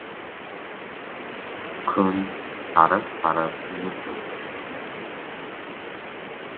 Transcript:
Kun sariq-sariq nur to‘kdi.